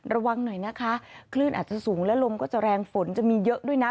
ระวังหน่อยนะคะคลื่นอาจจะสูงและลมก็จะแรงฝนจะมีเยอะด้วยนะ